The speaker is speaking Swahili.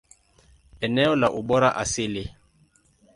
Eneo la ubora asili.